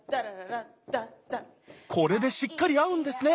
これでしっかり合うんですね！